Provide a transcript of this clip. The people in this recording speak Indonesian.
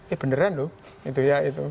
eh beneran loh itu ya itu